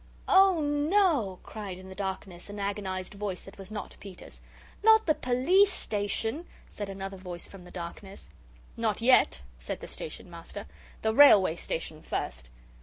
"Oh, no," cried in the darkness an agonised voice that was not Peter's. "Not the POLICE station!" said another voice from the darkness. "Not yet," said the Station Master. "The Railway Station first.